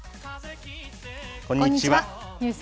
こんにちは。